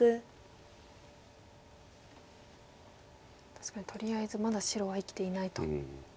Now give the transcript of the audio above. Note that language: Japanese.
確かにとりあえずまだ白は生きていないと。